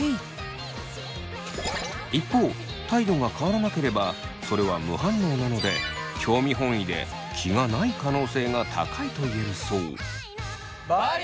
一方態度が変わらなければそれは無反応なので興味本位で気がない可能性が高いといえるそう。